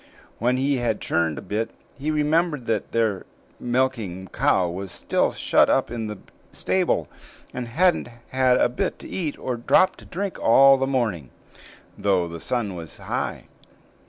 When he had churned a bit, he remembered that their milking cow was still shut up in the stable, and hadn't had a bit to eat or a drop to drink all the morning, though the sun was high.